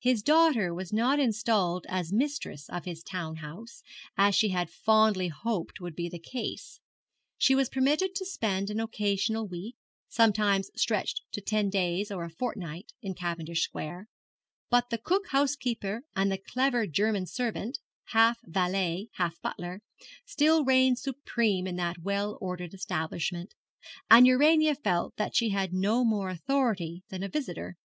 His daughter was not installed as mistress of his town house, as she had fondly hoped would be the case. She was permitted to spend an occasional week, sometimes stretched to ten days or a fortnight, in Cavendish Square; but the cook housekeeper and the clever German servant, half valet half butler, still reigned supreme in that well ordered establishment; and Urania felt that she had no more authority than a visitor.